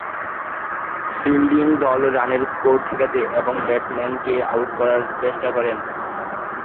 Fielding দল রানের score ঠেকাতে এবং ব্যাটসম্যানকে আউট করার চেষ্টা করেন।